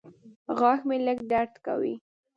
غاښ مې لږ درد کوي.